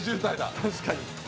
確かに。